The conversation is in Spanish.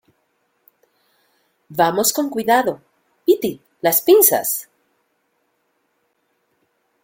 vamos, con cuidado. piti , las pinzas .